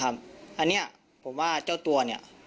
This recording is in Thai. อันนี้ผมว่าเจ้าตัวเนี่ย